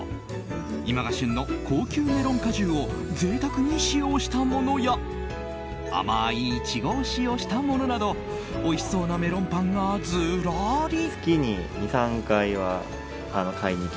今が旬の高級メロン果汁を贅沢に使用したものや甘いイチゴを使用したものなどおいしそうなメロンパンがずらり。